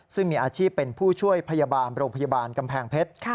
ซึ่งมีอาชีพเป็นผู้ช่วยพยาบาลโรงพยาบาลกำแพงเพชร